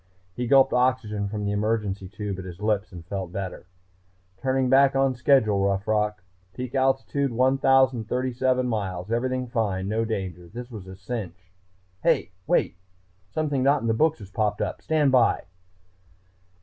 He gulped oxygen from the emergency tube at his lips and felt better. "Turning back on schedule, Rough Rock. Peak altitude 1037 miles. Everything fine, no danger. This was all a cinch.... HEY! Wait.... Something not in the books has popped up ... stand by!"